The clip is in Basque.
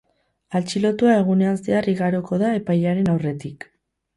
Atxilotua egunean zehar igaroko da epailearen aurretik.